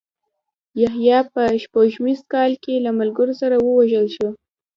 یحیی په سپوږمیز کال کې له ملګرو سره ووژل شو.